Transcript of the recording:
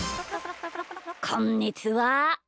こんにちは。